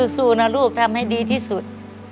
สู้นะลูกทำให้ดีที่สุด